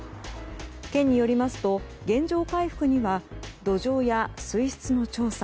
県によりますと原状回復には土壌や水質の調査